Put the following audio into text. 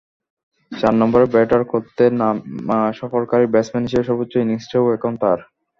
চার নম্বরে ব্যাট করতে নামা সফরকারী ব্যাটসম্যান হিসেবে সর্বোচ্চ ইনিংসটিও এখন তাঁর।